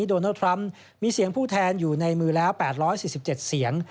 โดนัลดทรัมป์มีเสียงผู้แทนอยู่ในมือแล้ว๘๔๗เสียง